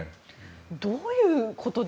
どういうことで。